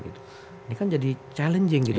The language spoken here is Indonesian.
ini kan jadi challenging gitu